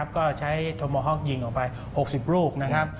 ก็ใช้โทโมฮอกยิงออกไป๖๐ลูกนะครับ